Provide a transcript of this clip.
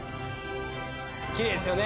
きれいですよね